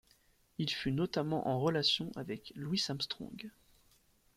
Il fut notamment en relation avec Louis Armstrong.